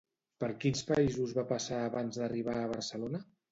Per quins països va passar abans d'arribar a Barcelona?